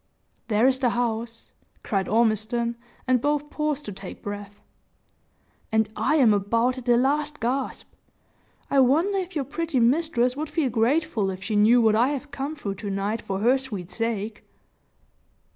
"There is the house," cried Ormiston, and both paused to take breath; "and I am about at the last gasp. I wonder if your pretty mistress would feel grateful if she knew what I have come through to night for her sweet sake?"